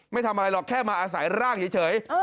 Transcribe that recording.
ไม่ทำอะไรหรอกแค่มาอาศัยร่างเฉย